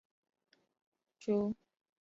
朱佑棨于弘治十八年袭封淮王。